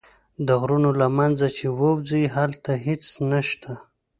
د غرونو له منځه چې ووځې هلته هېڅ نه شته.